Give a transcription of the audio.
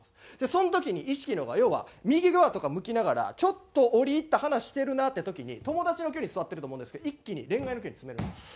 その時に意識の側要は右側とか向きながらちょっと折り入った話してるなって時に友達の距離に座ってると思うんですけど一気に恋愛の距離に詰めるんですよ。